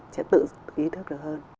sẽ tự ý thức được hơn